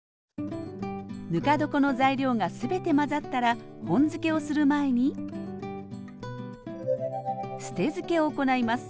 ぬか床の材料が全て混ざったら本漬けをする前に「捨て漬け」を行います。